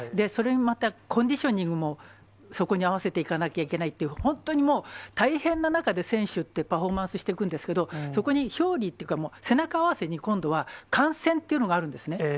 それにまた、コンディショニングもそこに合わせていかなきゃいけないっていう、本当にもう、大変な中で選手ってパフォーマンスしていくんですけれども、そこに表裏っていうか、背中合わせに、今度は感染っていうのがあるんですね。